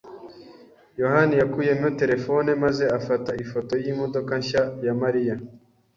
yohani yakuyemo terefone maze afata ifoto yimodoka nshya ya Mariya.